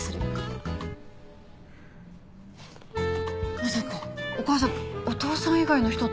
まさかお母さんお父さん以外の人と。